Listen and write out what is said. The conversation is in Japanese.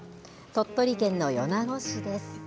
鳥取県の米子市です。